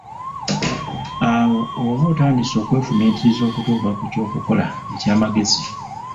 Awo oba otandise okwefumiitiriza okutuuka ku ky'okukola eky'amagezi